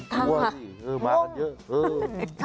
กลัวสิมากันเยอะ